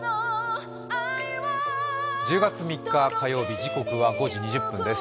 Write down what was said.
１０月３日火曜日、時刻は５時２０分です。